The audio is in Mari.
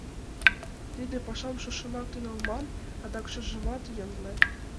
Тиде пашам шошымак тӱҥалман, адак шыжымат йӧнлӧ.